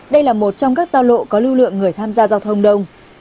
đây là một trong các giao lộ có lưu lượng người tham gia giao thông đông